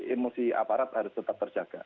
emosi aparat harus tetap terjaga